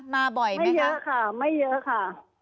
มาบ่อยไม่เยอะค่ะไม่เยอะค่ะ